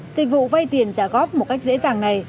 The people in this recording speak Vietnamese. dịch vụ vay tiền trả góp một cách dễ dàng này